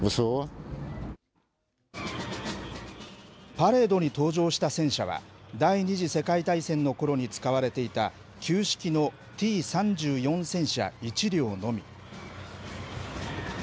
パレードに登場した戦車は、第２次世界大戦のころに使われていた、旧式のＴ３４戦車１両のみ。